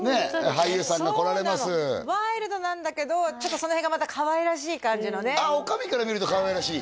俳優さんが来られますそうなのワイルドなんだけどちょっとその辺がまたかわいらしい感じのね女将から見るとかわいらしい？